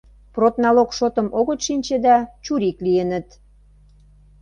Продналог шотым огыт шинче да чурик лийыныт.